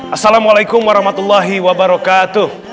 assalamualaikum warahmatullahi wabarakatuh